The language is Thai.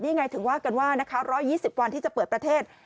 ยังไงถึงว่ากันว่านะคะ๑๒๐วันที่จะเปิดประเทศ